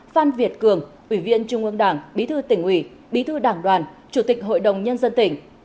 phan việt cường ủy viên trung ương đảng bí thư tỉnh ủy bí thư đảng đoàn chủ tịch hội đồng nhân dân tỉnh